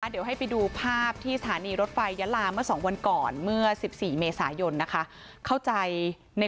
ถ้าเดี๋ยวให้ไปดูภาพที่สถานีรถไฟยะลามา๒วันก่อนเมื่อ๑๔เมษายนนะคะเข้าใจใน